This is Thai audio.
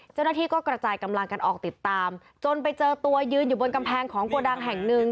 เจ้าหน้าที่ก็กระจายกำลังกันออกติดตามจนไปเจอตัวยืนอยู่บนกำแพงของโกดังแห่งหนึ่ง